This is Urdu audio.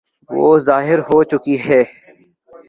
وہ ظاہر ہو چکی ہیں۔